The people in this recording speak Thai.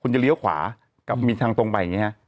คุณจะเลี้ยวขวากับมีทางตรงไปอย่างนี้ฮะ